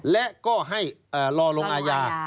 และก็ให้รอลงอาญา